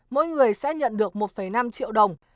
mỗi người sẽ nhận được một năm triệu đồng